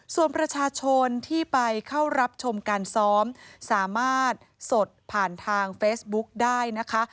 ส่วนประชาชนที่ไปเข้ารับชมการซ้อมสามารถสดผ่านทางเฟซบุ๊กได้นะคะ